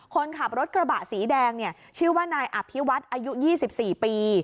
คนขับรถกระบะสีแดงเนี่ยชื่อว่านายอภิวัฒน์อายุ๒๔ปี